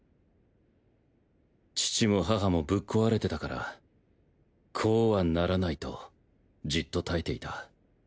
父も母もブッ壊れてたからこうはならないとじっと耐えていた。